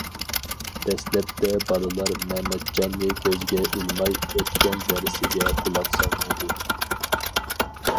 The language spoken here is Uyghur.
دەسلەپتە بالىلار مەمەتجاننى كۆزگە ئىلماي، ئۆتكەن دەرسىگە قۇلاق سالمايدۇ.